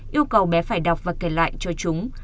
yêu cầu bé phải đọc và kể lại cho chúng